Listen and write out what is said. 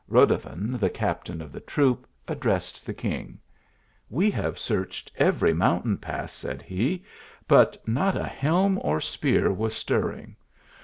Rodovan, the captain of the troop, addressed the king :" We have searched every mountain pass," said he, " but not a helm or spear was stirring.